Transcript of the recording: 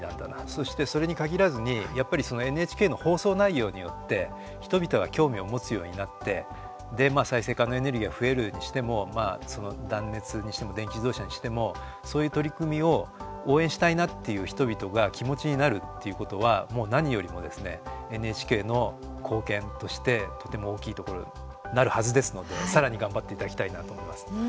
そして、それに限らずにやっぱりＮＨＫの放送内容によって、人々が興味を持つようになってで、再生可能エネルギーが増えるにしても断熱にしても電気自動車にしてもそういう取り組みを応援したいなっていう人々が気持ちになるっていうことはもう何よりもですねＮＨＫの貢献として、とても大きいところになるはずですのでさらに、頑張っていただきたいなと思います。